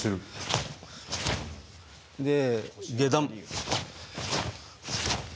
で下段。